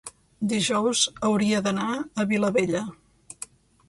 dijous hauria d'anar a Vilabella.